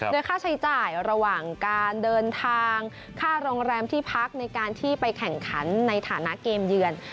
โดยค่าใช้จ่ายระหว่างการเดินทางค่าโรงแรมที่พักในการที่ไปแข่งขันในฐานะเกมเยือน